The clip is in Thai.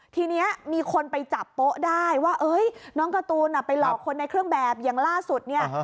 ทีนี้มีคนไปจับโป๊ะได้ว่าน้องการ์ตูนไปหลอกคนในเครื่องแบบอย่างล่าสุดเนี่ย